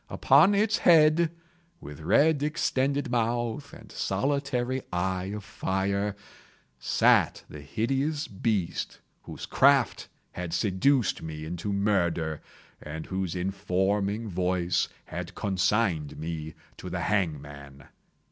Upon its head, with red extended mouth and solitary eye of fire, sat the hideous beast whose craft had seduced me into murder, and whose informing voice had consigned me to the hangman.